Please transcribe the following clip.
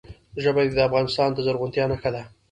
ژبې د افغانستان د زرغونتیا نښه ده.